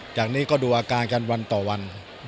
จากนี้ก็ดูอาการกันวันต่อวัน